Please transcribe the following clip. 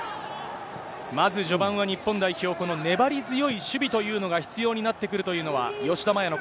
まず序盤は日本代表、この粘り強い守備というのが必要になってくるというのは、吉田麻